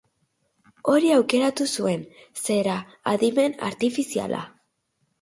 Hori aukeratu zuen, zera, adimen artifiziala.